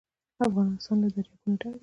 افغانستان له دریابونه ډک دی.